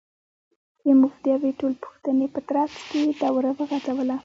کریموف د یوې ټولپوښتنې په ترڅ کې دوره وغځوله.